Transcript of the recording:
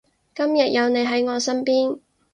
今日有你喺我身邊